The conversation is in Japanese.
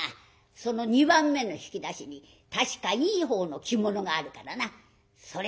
その２番目の引き出しに確かいいほうの着物があるからなそれを着ていきな。